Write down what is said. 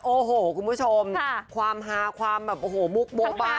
โอ้โหคุณผู้ชมความฮามุกโบ๊ะ